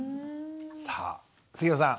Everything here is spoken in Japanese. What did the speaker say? さあ菅野さん